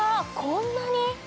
こんなに？